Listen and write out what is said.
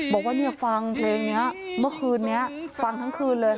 บอกว่าเนี่ยฟังเพลงนี้เมื่อคืนนี้ฟังทั้งคืนเลย